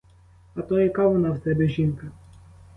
А то — яка вона в тебе жінка?